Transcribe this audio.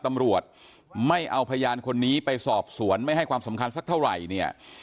ตำรวจไม่เอาพยานคนนี้ไปสอบสวนไม่ให้ความสำคัญสักเท่าไหร่เนี่ย